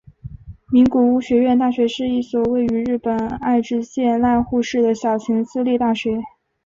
名古屋学院大学是一所位于日本爱知县濑户市的小型私立大学。